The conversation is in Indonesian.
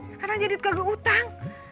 sekarang jadi tukang gue utang